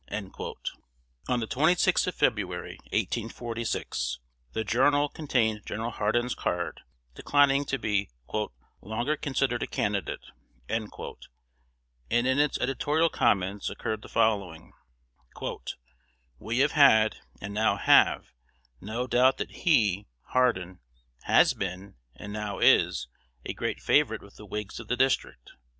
On the 26th of February, 1846, "The Journal" contained Gen. Hardin's card declining to be "longer considered a candidate," and in its editorial comments occurred the following: "We have had, and now have, no doubt that he (Hardin) has been, and now is, a great favorite with the Whigs of the district.